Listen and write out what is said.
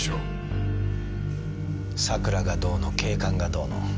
桜がどうの景観がどうの。